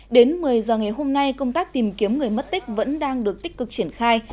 đến một mươi giờ ngày hôm nay công tác tìm kiếm người mất tích vẫn đang được tích cực triển khai